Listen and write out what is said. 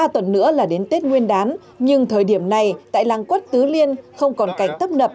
ba tuần nữa là đến tết nguyên đán nhưng thời điểm này tại làng quất tứ liên không còn cảnh tấp nập